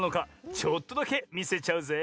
ちょっとだけみせちゃうぜい！